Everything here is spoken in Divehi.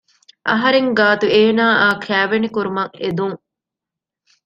އަހަރެންގާތު އޭނާއާ ކައިވެނި ކުރުމަށް އެދުން